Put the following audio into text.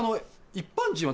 一般人は。